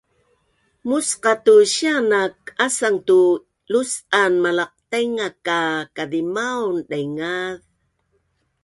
musqa tu sia naak asang tu lus’an Malaqtainga ka kazimaun daingaz